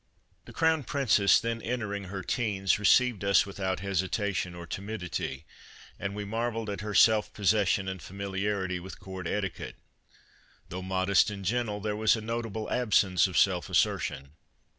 The Crown Princess, then entering her teens, received us without hesitation or timidity, and we marveled at her self possession and familiarity with court etiquette ; though modest and gentle, there was a notable absence of self assertion.